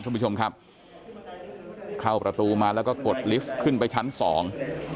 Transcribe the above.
คุณผู้ชมครับเข้าประตูมาแล้วก็กดลิฟต์ขึ้นไปชั้นสอง